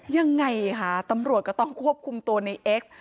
ยังไงคะตำรวจก็ต้องควบคุมตัวในเอ็กซ์